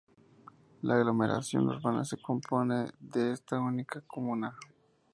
La aglomeración urbana se compone de esta única comuna.